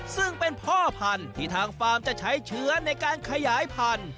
ซึ่งเป็นพ่อพันธุ์ที่ทางฟาร์มจะใช้เชื้อในการขยายพันธุ์